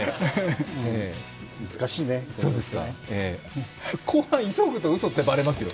難しいね後半急ぐとうそって分かりますよ。